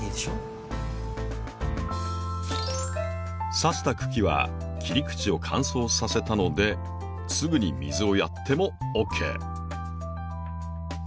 さした茎は切り口を乾燥させたのですぐに水をやってもＯＫ。